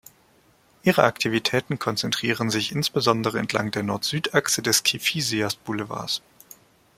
Ihre Aktivitäten konzentrieren sich insbesondere entlang der Nord-Süd Achse des Kifisias-Boulevards.